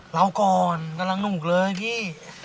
เราก่อนกำลังสนุกเลยพี่